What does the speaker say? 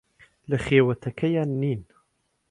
لە خێوەتەکەیان نین.